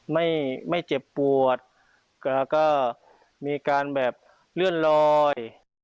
ไม่ไม่เจ็บปวดแล้วก็มีการแบบเลื่อนลอย